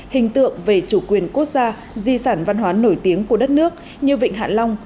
hình tượng về chủ quyền quốc gia di sản văn hóa nổi tiếng của đất nước như vịnh hạ long